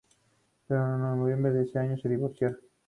Pero en noviembre de ese año se divorciaron.